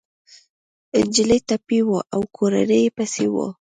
انجلۍ ټپي وه او کورنۍ يې پسې وه